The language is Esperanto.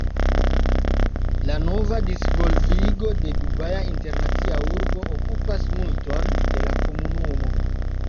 La nova disvolvigo de Dubaja Internacia Urbo okupas multon de la komunumo.